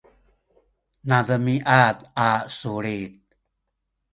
nademiad a sulit